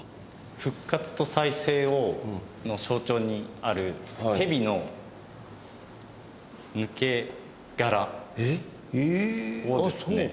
復活と再生の象徴にあるヘビの抜け殻をですね。